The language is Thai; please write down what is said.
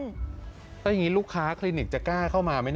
แล้วอย่างนี้ลูกค้าคลินิกจะกล้าเข้ามาไหม